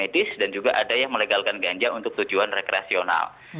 dan juga ada yang melegalkan ganja untuk tujuan rekreasional